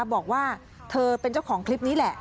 บอกว่าเธอเป็นเจ้าของคลิปนี้แหละ